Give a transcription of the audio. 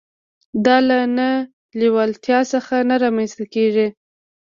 دا له نه لېوالتيا څخه نه رامنځته کېږي.